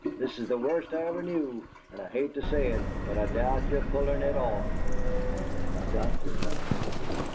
"This is the worst I ever knew; and I hate to say it, but I doubt yer pullin' it off." "I've got to, Mike."